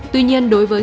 tuy nhiên đối với